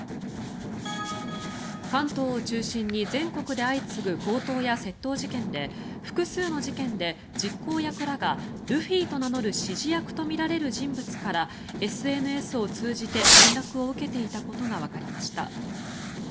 関東を中心に全国で相次ぐ強盗や窃盗事件で複数の事件で実行役らがルフィと名乗る指示役とみられる人物からＳＮＳを通じて連絡を受けていたことがわかりました。